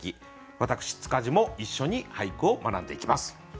私塚地も一緒に俳句を学んでいきます。